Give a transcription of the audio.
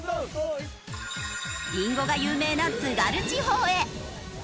りんごが有名な津軽地方へ。